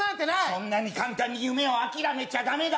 そんなに簡単に夢を諦めちゃだめだ。